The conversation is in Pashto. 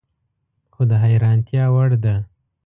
خو د حیرانتیا وړ ده